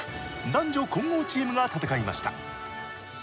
男女混合チームが戦いました。